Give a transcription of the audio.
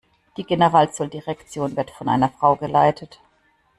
Die Generalzolldirektion wird von einer Frau geleitet.